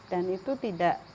dan itu tidak